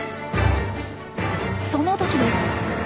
その時です。